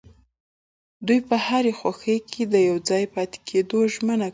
دوی په هرې خوښۍ کې د يوځای پاتې کيدو ژمنه کوي.